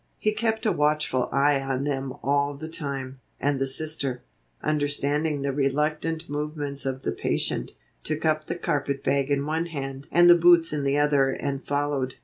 He kept a watchful eye on them all the time, and the Sister, understanding the reluctant movements of the patient, took up the carpet bag in one hand and the boots in the other and followed.